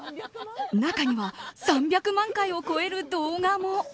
中には３００万回を超える動画も。